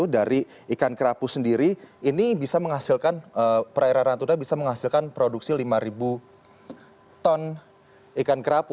dari ikan kerapu sendiri ini bisa menghasilkan perairan natuna bisa menghasilkan produksi lima ton ikan kerapu